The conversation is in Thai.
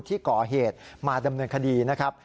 ที่ก่อเหตุมาดำเนินคดีนะครับ